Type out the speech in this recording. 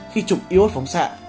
khi trục iốt phóng xạ